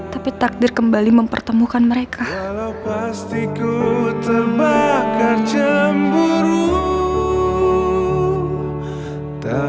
tapi takdir kembali mempertemukan mereka